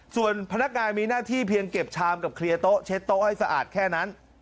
ส่วนพนักงานมีหน้าที่เพียงเก็บชามกับเคลียร์โต๊ะเช็ดโต๊ะให้สะอาดแค่นั้น